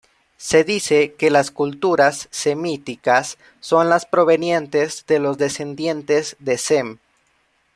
Se dice que las culturas semíticas son las provenientes de los descendientes de Sem.